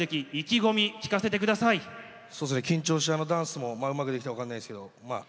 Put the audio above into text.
そうですね緊張してダンスもうまくできたか分かんないですけどまあ